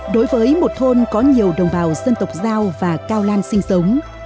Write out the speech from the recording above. đối với một thôn có nhiều đồng bào dân tộc giao và cao lan sinh sống